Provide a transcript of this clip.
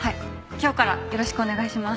今日からよろしくお願いします。